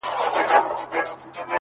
زه د شرابيانو قلندر تر ملا تړلى يم،